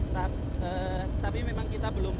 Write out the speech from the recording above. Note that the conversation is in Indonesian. tapi memang kita belum